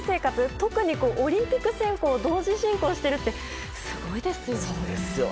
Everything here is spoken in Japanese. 特に、オリンピック選考と同時進行してるってすごいですよね。